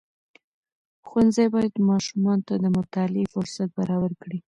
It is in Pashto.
ښوونځي باید ماشومانو ته د مطالعې فرصت برابر کړي.